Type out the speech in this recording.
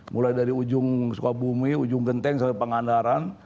mulai dari ujung sukabumi ujung genteng sampai pengandaran